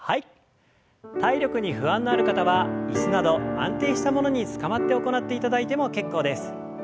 体力に不安のある方は椅子など安定したものにつかまって行っていただいても結構です。